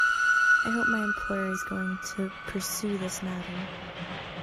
I hope my employer is going to pursue this matter.